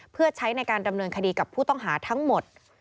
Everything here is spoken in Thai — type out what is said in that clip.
เพื่อใช้ในการดำเนินคดีกับผู้ต้องหาทั้งหมด